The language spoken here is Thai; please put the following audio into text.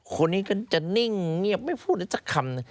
คนนี้ก็จะนิ่งเงียบไม่พูดได้สักคำ